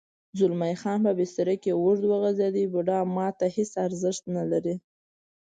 زلمی خان په بستره کې اوږد وغځېد: بوډا ما ته هېڅ ارزښت نه لري.